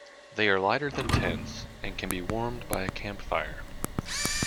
They are lighter than tents and can be warmed by a camp fire.